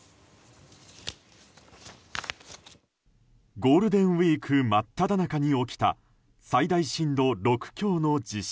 ゴールデンウィーク真っただ中に起きた最大震度６強の地震。